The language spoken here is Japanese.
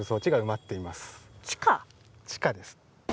地下です。